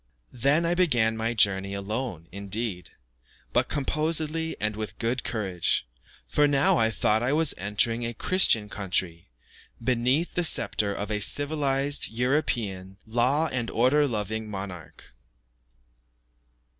Then I began my journey alone, indeed, but composedly and with good courage, for now I thought I was entering a Christian country, beneath the sceptre of a civilized, European, law and order loving monarch.